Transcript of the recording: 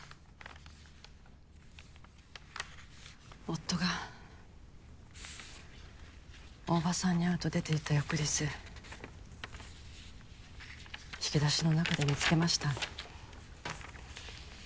夫が大庭さんに会うと出ていった翌日引き出しの中で見つけました